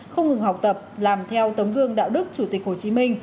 không ngừng học tập làm theo tấm gương đạo đức chủ tịch hồ chí minh